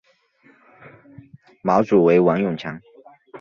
马主为王永强。